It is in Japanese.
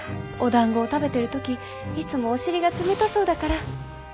「おだんごを食べてる時いつもお尻が冷たそうだから」。